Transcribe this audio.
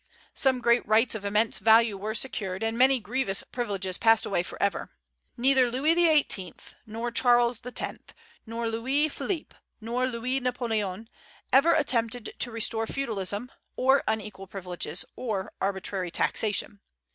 Some great rights of immense value were secured, and many grievous privileges passed away forever. Neither Louis XVIII., nor Charles X., nor Louis Philippe, nor Louis Napoleon, ever attempted to restore feudalism, or unequal privileges, or arbitrary taxation.